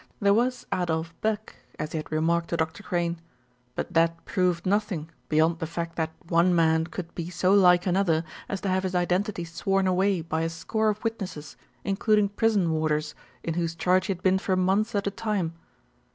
There was Adolf Beck, as he had remarked to Dr. Crane; but that proved nothing beyond the fact that one man could be so like another as to have his identity sworn away by a score of witnesses including prison warders in whose charge he had been for months at a time.